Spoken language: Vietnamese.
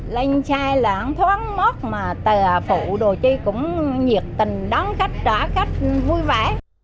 lên chai là không thoáng mốt mà tờ phụ đồ chứ cũng nhiệt tình đón khách trả khách vui vẻ